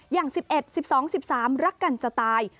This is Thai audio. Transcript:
อย่าง๑๑๑๒๑๓รักกันจะตาย